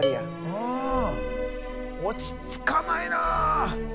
うん落ち着かないな。